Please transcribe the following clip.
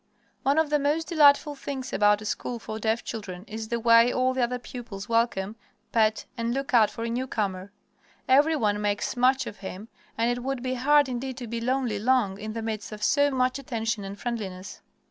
One of the most delightful things about a school for deaf children is the way all the other pupils welcome, pet, and look out for a newcomer. Every one makes much of him, and it would be hard indeed to be lonely long in the midst of so much attention and friendliness.